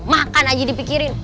makan aja dipikirin